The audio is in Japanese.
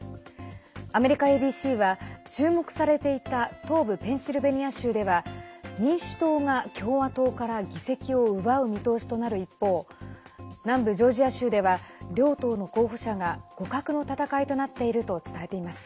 アメリカＡＢＣは注目されていた東部ペンシルベニア州では民主党が共和党から議席を奪う見通しとなる一方南部ジョージア州では両党の候補者が互角の戦いとなっていると伝えています。